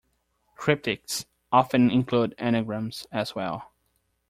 Cryptics often include anagrams, as well.